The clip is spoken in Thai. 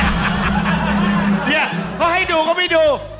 เนี่ยเขาให้ดูเขาไปดู